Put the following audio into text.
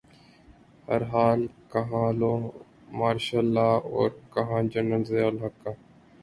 بہرحال کہاںوہ martial law اورکہاں جنرل ضیاء الحق کا۔